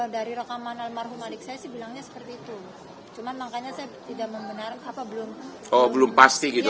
dari rekaman almarhum adik saya sih bilangnya seperti itu